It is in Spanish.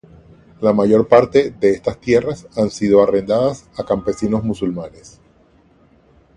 La mayor parte de estas tierras han sido arrendadas a campesinos musulmanes.